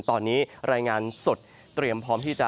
ตอนนี้รายงานสดเตรียมพร้อมที่จะ